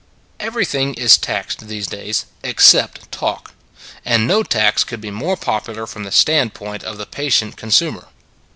Everything is taxed these days except talk: and no tax could be more popular from the standpoint of the patient con sumer.